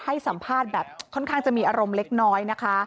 ให้สัมภาษณ์แบบค่อนข้างจะมีอารมณ์เล็กน้อยนะคะ